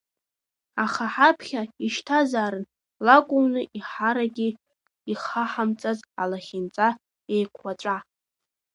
Аха ҳаԥхьа ишьҭазаарын, лакуны иҳаҳаргьы ихаҳамҵоз алахьынҵа еиқуаҵәа.